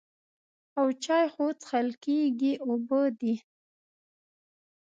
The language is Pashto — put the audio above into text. او چای خو څښل کېږي اوبه دي.